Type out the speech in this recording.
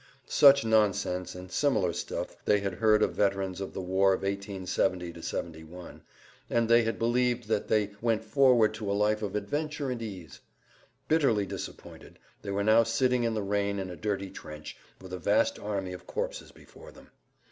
Such nonsense and similar stuff they had heard of veterans of the war of 1870 71, and they had believed that they went forward to a life of adventure and ease. Bitterly disappointed they were now sitting in the rain in a dirty trench, with a vast army of corpses before them.